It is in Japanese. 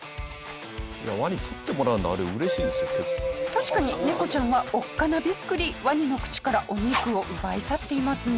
確かにネコちゃんはおっかなビックリワニの口からお肉を奪い去っていますね。